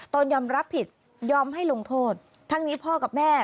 ตนยอมรับผิดยอมให้ลงโทษทั้งนี้พ่อกับแม่